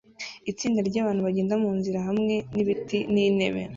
Itsinda ryabantu bagenda munzira hamwe nibiti n'intebe